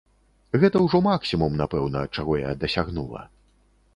Гэта ўжо максімум, напэўна, чаго я дасягнула.